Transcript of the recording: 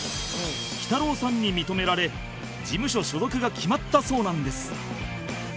きたろうさんに認められ事務所所属が決まったそうなんです